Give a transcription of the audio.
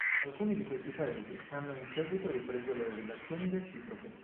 Alcuni di questi paesi hanno in seguito ripreso le relazioni reciproche.